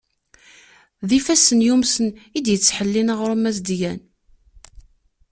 D ifassen yumsen, i d-yettḥellin aɣrum azedyan.